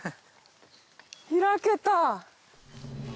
開けた。